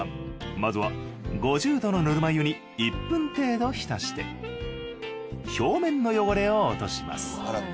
まずは５０℃のぬるま湯に１分程度浸して表面の汚れを落とします。